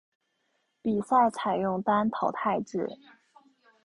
比赛采用单淘汰制。